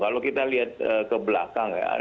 kalau kita lihat ke belakang ya